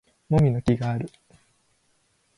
もみの木がある